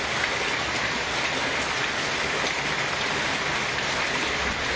พร้อมทุกสิทธิ์